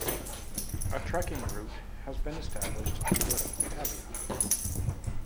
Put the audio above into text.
A trekking route has been established in this "tabia".